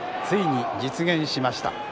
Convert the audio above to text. ついに実現しました。